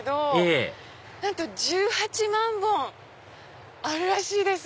ええなんと１８万本あるらしいです。